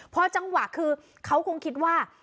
พอจังหวะคือเขาคงคิดว่า